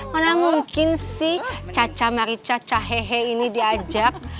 mana mungkin sih caca marica cahehe ini diajak